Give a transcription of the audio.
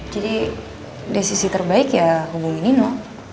jadi desisi terbaik ya hubungi nino